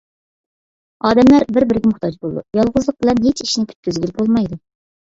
ئادەملەر بىر - بىرىگە موھتاج بولىدۇ. يالغۇزلۇق بىلەن ھېچ ئىشنى پۈتكۈزگىلى بولمايدۇ.